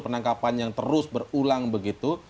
penangkapan yang terus berulang begitu